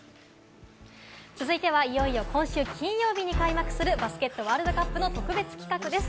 続いては、いよいよ今週金曜日に開幕するバスケットボールワールドカップの特別企画です。